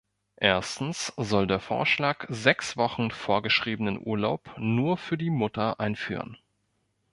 Erstens soll der Vorschlag sechs Wochen vorgeschriebenen Urlaub nur für die Mutter einführen.